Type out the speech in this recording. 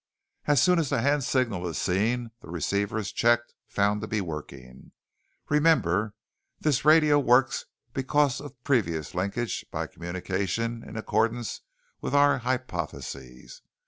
As soon as the hand signal is seen the receiver is checked, found to be working. Remember, this radio works because of the previous linkage by communication in accordance with our hypothesis.